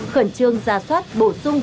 khẩn trương giả soát bổ sung